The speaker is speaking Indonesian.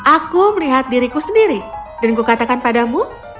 aku melihat diriku sendiri dan kukatakan padamu